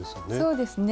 そうですね。